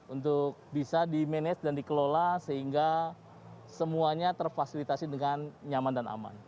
untuk bisa di manage dan dikelola sehingga semuanya terfasilitasi dengan nyaman dan aman